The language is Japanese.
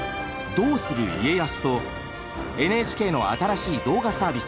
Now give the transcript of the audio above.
「どうする家康」とＮＨＫの新しい動画サービス